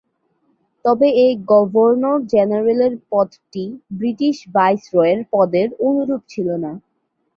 তবে এই গভর্নর-জেনারেলের পদটি ব্রিটিশ ভাইসরয়ের পদের অনুরূপ ছিল না।